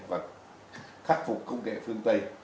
và khắc phục công nghệ phương tây